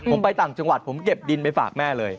ผมไปต่างจังหวัดผมเก็บดินไปฝากแม่เลย